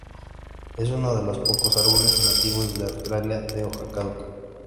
Es uno de los pocos árboles nativos de Australia de hoja caduca.